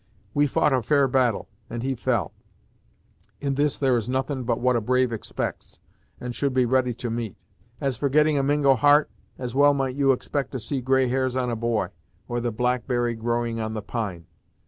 We fou't a fair battle, and he fell; in this there is nothin' but what a brave expects, and should be ready to meet. As for getting a Mingo heart, as well might you expect to see gray hairs on a boy, or the blackberry growing on the pine.